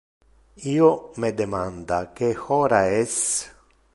Io me demanda que hora es.